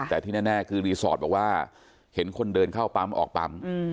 แต่ที่แน่คือรีสอร์ทบอกว่าเห็นคนเดินเข้าปั๊มออกปั๊ม